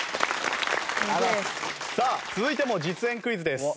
やっさあ続いても実演クイズです。